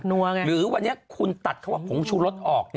นั่วไงหรือวันนี้คุณตัดของของผงชุรสออก